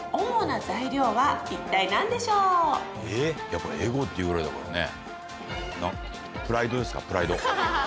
やっぱえごっていうぐらいだからね。